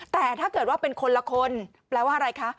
แต่ถ้าเกิดว่าเป็นคนละคนแปลว่าอะไรคะ